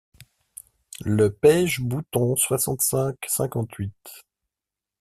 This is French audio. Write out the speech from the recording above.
Le paige Bouton soixante-cinq cinquante-huit.